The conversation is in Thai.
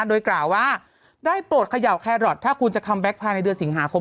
โดยข่าวว่าได้โปรดเขย่าแครอทถ้าคุณจะคัมแบ็คภายในเดือน๕เสื้อน